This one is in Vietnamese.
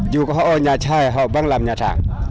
dù có họ ở nhà trại họ vẫn làm nhà trạng